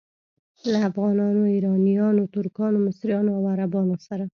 له افغانانو، ایرانیانو، ترکانو، مصریانو او عربانو سره.